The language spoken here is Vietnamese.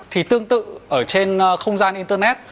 thì tương tự ở trên không gian internet